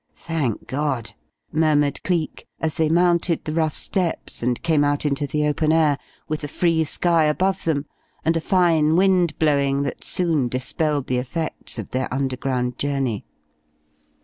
"Thank God!" murmured Cleek, as they mounted the rough steps and came out into the open air, with the free sky above them and a fine wind blowing that soon dispelled the effects of their underground journey.